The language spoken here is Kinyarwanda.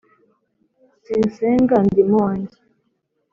sinsenga ndi mu wanjye